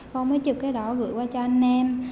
con mới chụp cái đó gửi qua cho anh em